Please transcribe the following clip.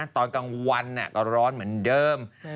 ตอนกลางวันก็ร้อนเหมือนเดิม